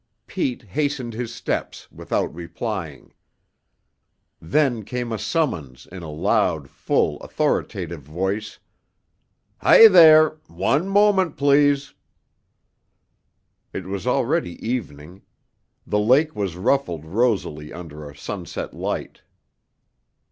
Pete hastened his steps without replying. Then came a summons in a loud, full, authoritative voice: "Hi, there! One moment, please." It was already evening; the lake was ruffled rosily under a sunset light.